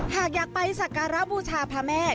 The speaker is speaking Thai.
หากอยากไปสักการะบูชาพระแม่